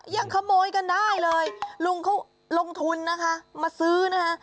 ยังขโมยกันได้เลยลุงเขาลงทุนนะคะมาซื้อนะคะ